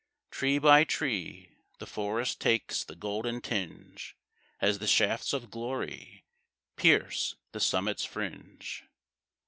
Tree by tree the forest Takes the golden tinge, As the shafts of glory Pierce the summit's fringe.